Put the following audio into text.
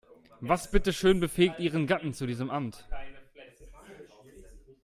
Was bitteschön befähigt ihren Gatten zu diesem Amt?